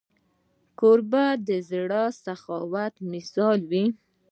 کوربه د زړه د سخاوت مثال وي.